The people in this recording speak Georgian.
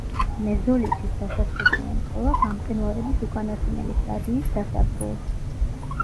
მეზოლითის დასაწყისი ემთხვევა გამყინვარების უკანასკნელი სტადიის დასასრულს.